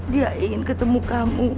dia ingin ketemu kamu